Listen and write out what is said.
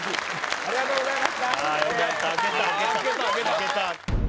ありがとうございます